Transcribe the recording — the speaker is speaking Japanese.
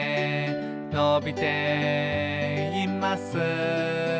「のびています」